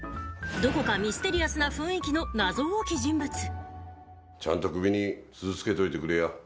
どこかミステリアスな雰囲気の謎多き人物ちゃんと首に鈴つけといてくれや。